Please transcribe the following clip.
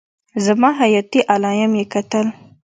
زما حياتي علايم يې کتل.